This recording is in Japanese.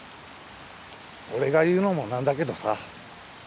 俺が言うのもなんだけどさ。